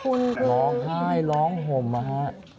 คุณคุณร้องไห้ร้องห่มมาฮะ